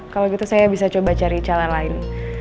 kalau gitu saya bisa coba cari jalan lain